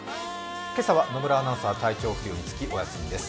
今朝は野村アナウンサー、体調不良につきお休みです。